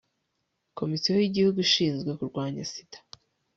komisiyo y'igihugu inshinzwe kurwanya sida